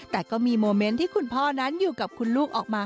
แต่ก็มีโมเมนต์ที่คุณพ่อนั้นอยู่กับคุณลูกออกมา